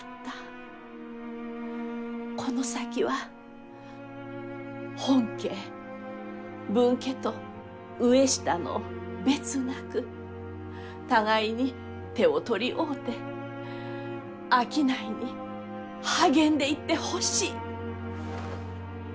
この先は本家分家と上下の別なく互いに手を取り合うて商いに励んでいってほしい！